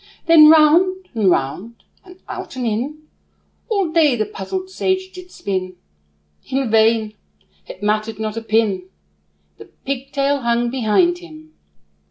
Then round, and round, and out and in, All day the puzzled sage did spin; In vain it mattered not a pin, The pigtail hung behind him.